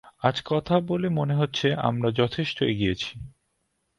আজ কথা বলে মনে হচ্ছে, আমরা যথেষ্ট এগিয়েছি!